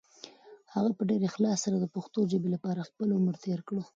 هغه په ډېر اخلاص سره د پښتو ژبې لپاره خپل عمر تېر کړ.